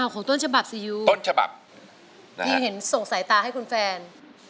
อ้าวของโต้นฉบับซียูที่เห็นส่งสายตาให้คุณแฟน